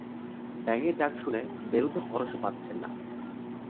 ব্যাঙের ডাক শুনে বেরুতে ভরসা পাচ্ছেন না।